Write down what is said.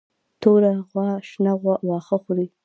توره غوا شنه واښه خوري.